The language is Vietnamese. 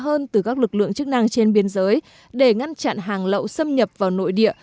hơn từ các lực lượng chức năng trên biên giới để ngăn chặn hàng lậu xâm nhập vào nội địa